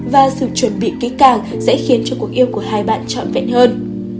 và sự chuẩn bị kỹ càng sẽ khiến cho cuộc yêu của hai bạn trọn vẹn hơn